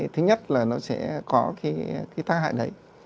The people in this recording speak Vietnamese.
thứ nhất là nó sẽ có cái tác hại đấy